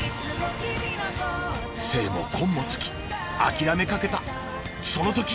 精も根も尽き諦めかけたその時。